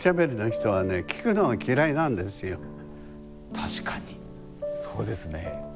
確かにそうですね。